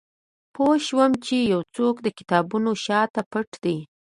پوه شوم چې یو څوک د کتابونو شاته پټ دی